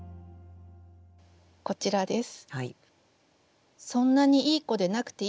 こちらです。